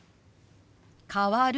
「変わる」。